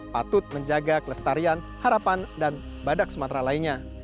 patut menjaga kelestarian harapan dan badak sumatera lainnya